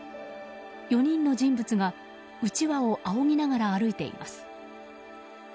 ４人の人物が、うちわをあおぎながら歩いています。